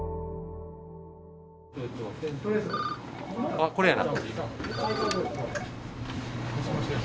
☎あっこれやな。